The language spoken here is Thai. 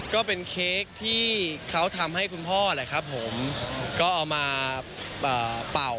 ก็เป็นเค้กที่เขาทำให้คุณพ่อแหละครับผมก็เอามาเป่า